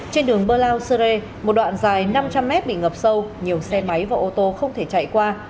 trên đường bơ lao sơ rê một đoạn dài năm trăm linh mét bị ngập sâu nhiều xe máy và ô tô không thể chạy qua